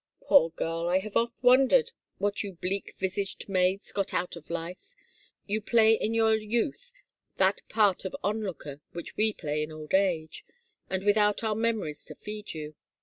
" Poor girl, I have oft wondered what you bleak visaged maids got out of life ; you play in your youth that part of onlooker which we play in old age — and without our memories to feed you.